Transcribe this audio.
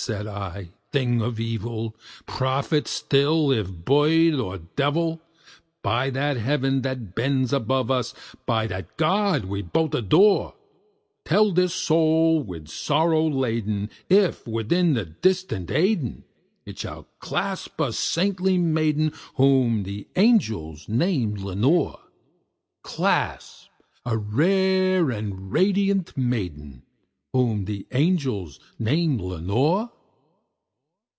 said I, "thing of evil! prophet still, if bird or devil! By that Heaven that bends above us by that God we both adore Tell this soul with sorrow laden if, within the distant Aidenn, It shall clasp a sainted maiden whom the angels name Lenore Clasp a rare and radiant maiden whom the angels name Lenore."